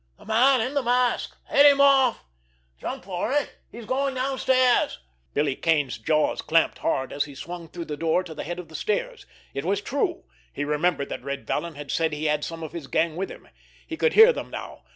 The man in the mask! Head him off! Jump for it! He's going downstairs!" Billy Kane's jaws clamped hard, as he swung through the door to the head of the stairs. It was true! He remembered that Red Vallon had said he had some of his gang with him. He could hear them now.